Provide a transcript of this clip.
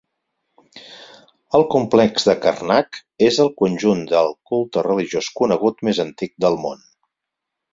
El complex de Karnak és el conjunt del culte religiós conegut més antic del món.